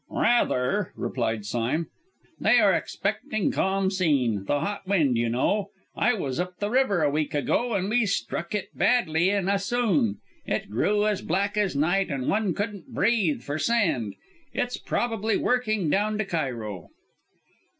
"Rather!" replied Sime. "They are expecting Khamsîn the hot wind, you know. I was up the river a week ago and we struck it badly in Assouan. It grew as black as night and one couldn't breathe for sand. It's probably working down to Cairo."